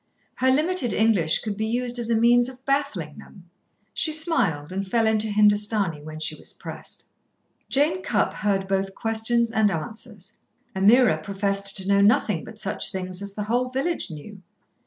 Her limited English could be used as a means of baffling them. She smiled, and fell into Hindustani when she was pressed. Jane Cupp heard both questions and answers. Ameerah professed to know nothing but such things as the whole village knew.